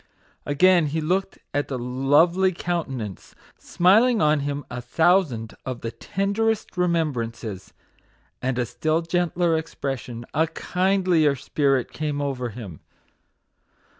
Again he looked at the lovely countenance, smiling on him a thousand of the tenderest remembrances, and a still gentler expression, a kindlier spirit, came over him.